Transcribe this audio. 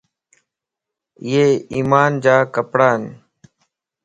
ايي ايمان جا ڪپڙان